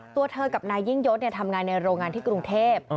ตัวเธอกับนายยิ่งยศทำงานในโรงงานที่กรุงเทพ